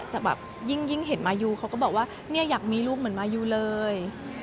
แต่แบบยิ่งเห็นมายูเขาก็บอกว่าเนี่ยอยากมีลูกเหมือนมายูเลย